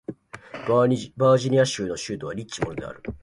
バージニア州の州都はリッチモンドである